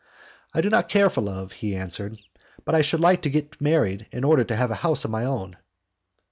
"I do not care for love," he answered: "but I should like to get married in order to have a house of my own."